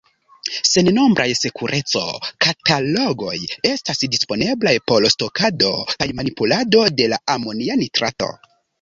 Sennombraj sekureco-katalogoj estas disponeblaj por stokado kaj manipulado de la amonia nitrato.